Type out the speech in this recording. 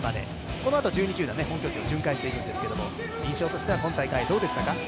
このあと、１２球団、本拠地を回っていくんですけど印象としては今大会、どうでしたか？